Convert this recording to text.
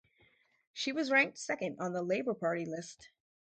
She was ranked second on the Labour Party list.